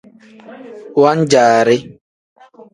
Wan-jaari.